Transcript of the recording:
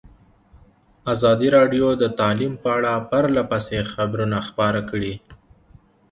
ازادي راډیو د تعلیم په اړه پرله پسې خبرونه خپاره کړي.